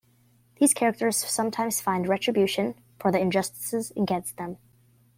These characters sometimes find retribution for the injustices against them.